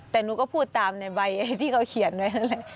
แต่หนูก็พูดตามในใบที่เขาเขียนไว้นั่นแหละ